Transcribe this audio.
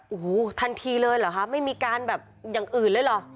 โอ้โหทันทีเลยเหรอคะไม่มีการแบบอย่างอื่นเลยเหรอ